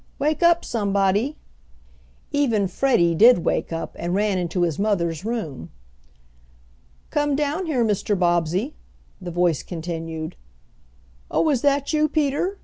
Wake up, somebody!" Even Freddie did wake up and ran into his mother's room. "Come down here, Mr. Bobbsey," the voice continued. "Oh, is that you, Peter?